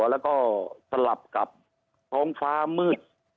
แล้วก็สลับกับท้องฟ้ามืด